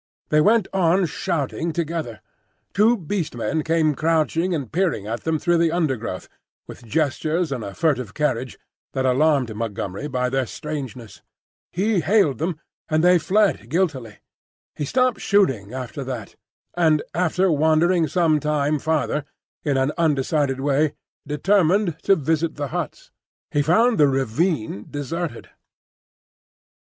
They went on shouting together. Two Beast Men came crouching and peering at them through the undergrowth, with gestures and a furtive carriage that alarmed Montgomery by their strangeness. He hailed them, and they fled guiltily. He stopped shouting after that, and after wandering some time farther in an undecided way, determined to visit the huts. He found the ravine deserted.